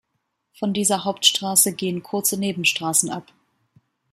Von dieser Hauptstraße gehen kurze Nebenstraßen ab.